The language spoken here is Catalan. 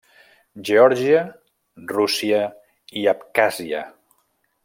Geòrgia, Rússia i Abkhàzia.